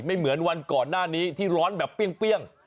ไม่เหมือนวันก่อนหน้านี้ที่ร้อนแบบเปรี้ยง